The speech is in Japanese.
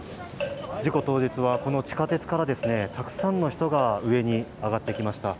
事故当日はこの地下鉄からたくさんの人が上に上がってきました。